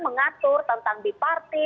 mengatur tentang biparti